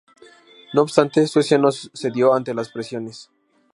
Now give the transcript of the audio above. No obstante, Suecia no cedió ante las presiones.